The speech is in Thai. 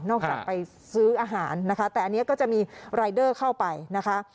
จากไปซื้ออาหารนะคะแต่อันนี้ก็จะมีรายเดอร์เข้าไปนะคะ